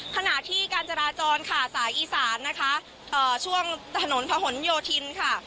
ขณะที่การจราจรค่ะสายอีสานนะคะช่วงถนนพะหนโยธินค่ะ